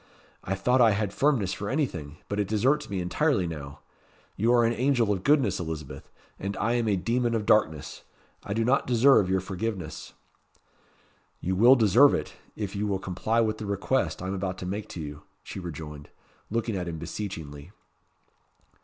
"I thought I had firmness for anything; but it deserts me entirely now. You are an angel of goodness, Elizabeth; as I am a demon of darkness. I do not deserve your forgiveness." "You will deserve it, if you will comply with the request I am about to make to you," she rejoined, looking at him beseechingly.